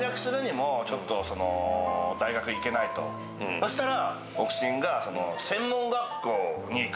そしたら。